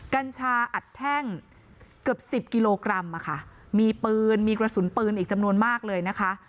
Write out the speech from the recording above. กัญชาอัดแท่งเกือบสิบกิโลกรัมอะค่ะมีปืนมีกระสุนปืนอีกจำนวนมากเลยนะคะ